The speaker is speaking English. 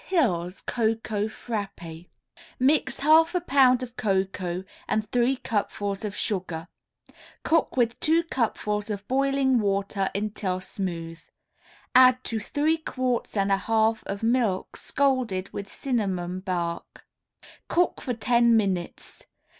HILL'S COCOA FRAPPÉ Mix half a pound of cocoa and three cupfuls of sugar; cook with two cupfuls of boiling water until smooth; add to three quarts and a half of milk scalded with cinnamon bark; cook for ten minutes.